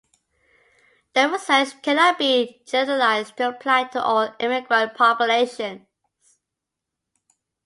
The research cannot be generalized to apply to all immigrant populations.